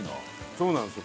そうなんですよ